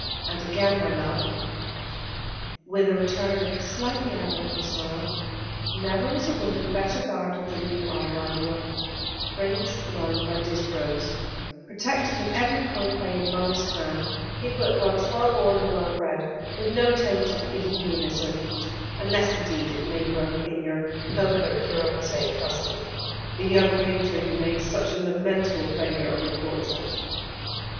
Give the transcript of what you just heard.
And again, my love," with a return of the slightly ironical smile, "never was a woman better guarded than you are while you are fringed round by Disbrowes, protected at every point by your mother's clan, people at once well born and well bred, with no taint of Bohemianism, unless indeed it may lurk in your poco curante cousin, the young painter who made such a lamentable failure of your portrait."